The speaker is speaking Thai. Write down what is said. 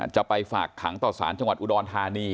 จะไปฝากขังต่อสารจังหวัดอุดรธานี